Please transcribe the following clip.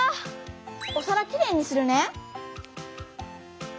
おさらきれいにするね。